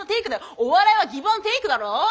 お笑いはギブアンドテイクだろ？